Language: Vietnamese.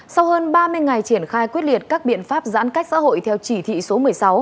sau hơn ba mươi ngày triển khai quyết liệt các biện pháp giãn cách xã hội theo chỉ thị số một mươi sáu